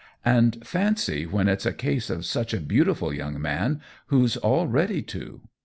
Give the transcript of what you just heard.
And fancy, when it's a case of such a beautiful young man who's all ready to